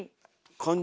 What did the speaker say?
感じ